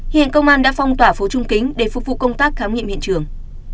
hiện công an đã phong tỏa phố trung kính để phục vụ công tác khám nghiệm hiện trường